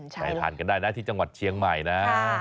ไปทานกันได้นะที่จังหวัดเชียงใหม่นะ